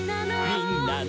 「みんなの」